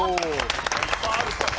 いっぱいあるから。